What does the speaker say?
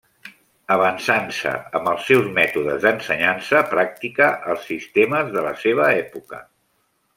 Avançant-se, amb els seus mètodes d'ensenyança pràctica, als sistemes de la seva època.